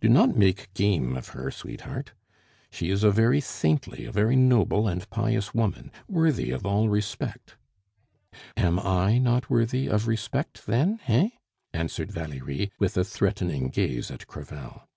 "Do not make game of her, sweetheart; she is a very saintly, a very noble and pious woman, worthy of all respect." "Am I not worthy of respect then, heh?" answered Valerie, with a threatening gaze at Crevel.